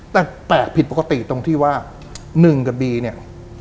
แต่แปลกผิดปกติตรงที่ว่าหนึ่งกับบีเนี่ย